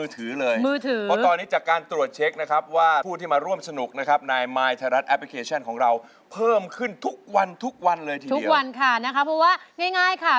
ทุกวันค่ะเพราะว่าง่ายค่ะ